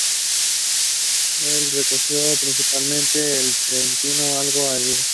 Él recogió principalmente en el Trentino-Alto Adigio.